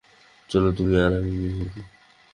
চলো তুমি আর আমি বিয়ে করে ফেলি।